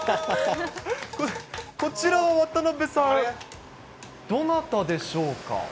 こちらは、渡辺さん、どなたでしょうか？